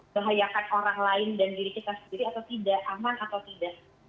bahayakan orang lain dan diri kita sendiri atau tidak aman atau tidak